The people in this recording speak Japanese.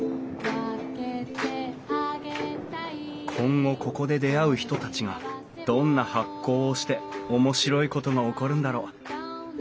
今後ここで出会う人たちがどんな発酵をして面白いことが起こるんだろう？